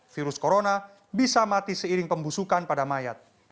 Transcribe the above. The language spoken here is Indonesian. virus corona bisa mati seiring pembusukan pada mayat